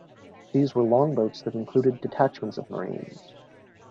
These were longboats that included detachments of Marines.